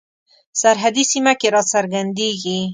سرحدي سیمه کې را څرګندیږي.